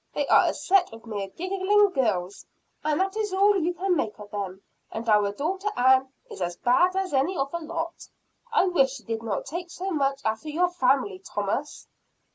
They are a set of mere giggling girls; and that is all you can make of them. And our daughter Ann is as bad as any of the lot. I wish she did not take so much after your family, Thomas."